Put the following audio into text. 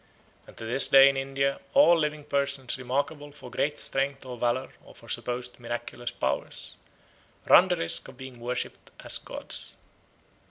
And to this day in India all living persons remarkable for great strength or valour or for supposed miraculous powers run the risk of being worshipped as gods.